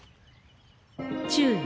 注意！